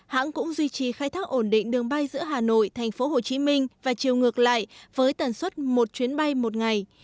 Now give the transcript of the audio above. hãng cũng duy trì khai thác ổn định đường bay giữa hà nội thành phố hồ chí minh và chiều ngược lại với tần suất một chuyến bay một ngày